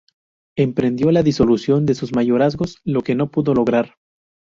Emprendió la disolución de sus mayorazgos, lo que no pudo lograr.